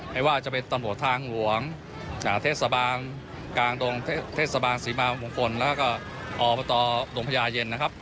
ไม่ว่าจะเป็นตำรวจทางหลวงเทศบาลกลางดงเทศบาลศรีมามงคลแล้วก็อบตดงพญาเย็นนะครับ